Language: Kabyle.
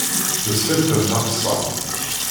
Mmesfalten taxessaṛt.